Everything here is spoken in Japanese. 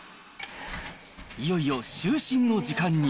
いよいよ就寝の時間に。